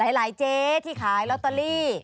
หลายเจ๊ที่ขายลอตเตอรี่